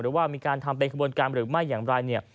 หรือว่ามีการทำเป็นขบวนการหรือไม่อย่างไรเนี่ย